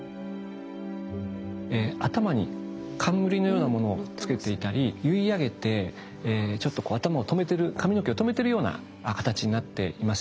頭に冠のようなものをつけていたり結い上げてちょっとこう頭を留めてる髪の毛を留めてるような形になっています。